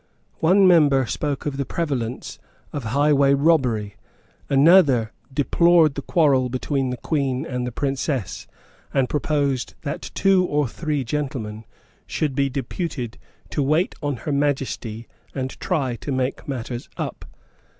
One member spoke of the prevalence of highway robbery; another deplored the quarrel between the Queen and the Princess, and proposed that two or three gentlemen should be deputed to wait on Her Majesty and try to make matters up.